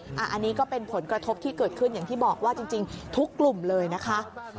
อันนี้ก็เป็นผลกระทบที่เกิดขึ้นอย่างที่บอกว่าจริงทุกกลุ่มเลยนะคะ